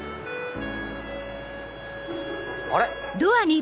あれ？